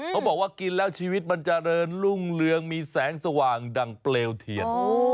บอกว่ากินแล้วชีวิตมันเจริญรุ่งเรืองมีแสงสว่างดั่งเปลวเทียน